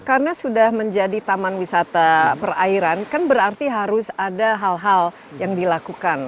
karena sudah menjadi taman wisata perairan kan berarti harus ada hal hal yang dilakukan